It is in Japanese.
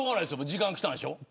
時間がきたんでしょ。